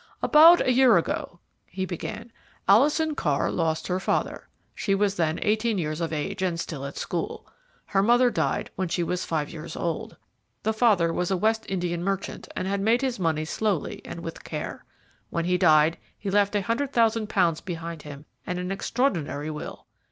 "About a year ago," he began, "Alison Carr lost her father, She was then eighteen years of age, and still at school. Her mother died when she was five years old. The father was a West Indian merchant, and had made his money slowly and with care. When he died he left a hundred thousand pounds behind him and an extraordinary will.